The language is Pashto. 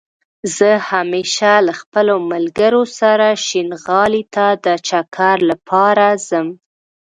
زه همېشه له خپلو ملګرو سره شينغالى ته دا چکر لپاره ځم